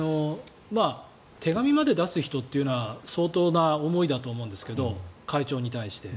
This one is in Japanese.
手紙まで出す人というのは相当な思いだと思うんですけど会長に対して。